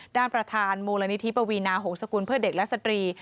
ด้านประธานมูลนิธิปวีนาหงษกุลเพื่อเด็กและสตรี